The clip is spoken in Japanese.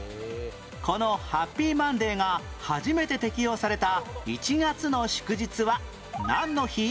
このハッピーマンデーが初めて適用された１月の祝日はなんの日？